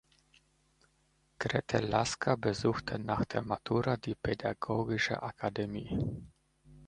Grete Laska besuchte nach der Matura die Pädagogische Akademie.